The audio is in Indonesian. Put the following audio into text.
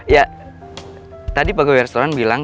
ya tadi pagi restoran bilang